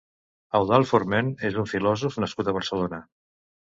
Eudald Forment és un filòsof nascut a Barcelona.